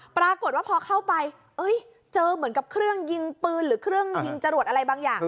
ปรากฏว่าพอเข้าไปเจอเหมือนกับเครื่องยิงปืนหรือเครื่องยิงจรวดอะไรบางอย่าง